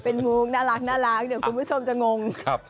เป็นมุงน่ารักเดี๋ยวคุณผู้ชมจะงง